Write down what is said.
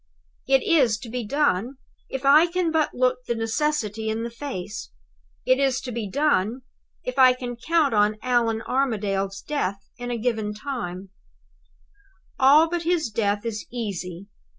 "It is to be done, if I can but look the necessity in the face. It is to be done, if I can count on Allan Armadale's death in a given time. "All but his death is easy.